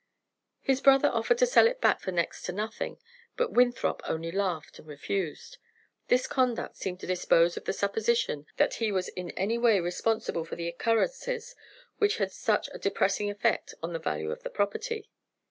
"His brother offered to sell it back for next to nothing, but Winthrop only laughed, and refused. This conduct seemed to dispose of the supposition that he was in any way responsible for the occurrences there which had such a depressing effect in the value of the property."